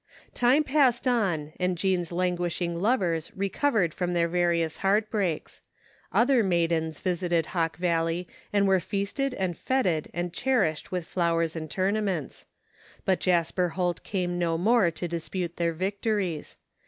Time passed on and Jean's languishing lovers re covered from their various heartbreaks. Other maidens visited Hawk Valley and were feasted and feted and cherished with flowers and tournaments; but Jasper Holt came no more to dispute their victories.